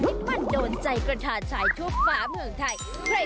ที่มันโดนใจกระทาชายทั่วฟ้าเมืองไทย